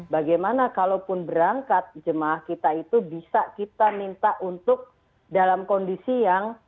bagaimana kalaupun berangkat jemaah kita itu bisa kita minta untuk dalam kondisi yang